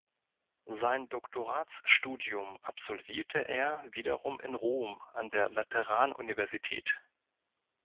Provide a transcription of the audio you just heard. Sein Doktoratsstudium absolvierte er wiederum in Rom an der Lateranuniversität.